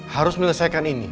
harus melesahkan ini